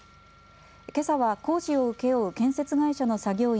けさは工事を請け負う建設会社の作業員